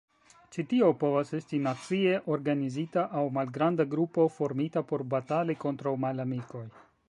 Ĉi tio povas esti nacie organizita aŭ malgranda grupo formita por batali kontraŭ malamikoj.